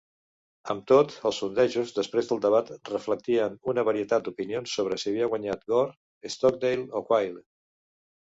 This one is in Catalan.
Amb tot, els sondejos després del debat reflectien una varietat d'opinions sobre si havia guanyat Gore, Stockdale o Quayle.